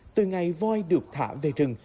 từ ngày voi được thả về rừng